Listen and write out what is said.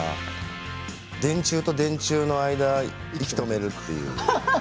電柱と電柱の間息止めるという。